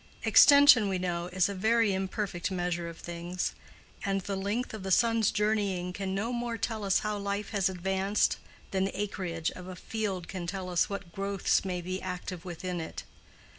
Extension, we know, is a very imperfect measure of things; and the length of the sun's journeying can no more tell us how life has advanced than the acreage of a field can tell us what growths may be active within it.